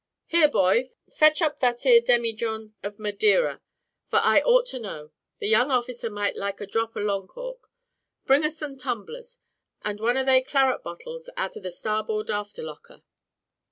Here, boy, fetch up that ere demi John of Madeira, and for aught I know, the young officer might like a drop o' long cork; bring us some tumblers, and one o' they claret bottles out o' the starboard after locker."